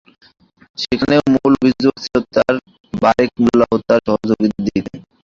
সেখানেও মূল অভিযোগের তির ছিল বারেক মোল্লা ও তাঁর সহযোগীদের দিকে।